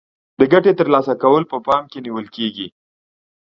د ګټې تر لاسه کول په پام کې نه نیول کیږي.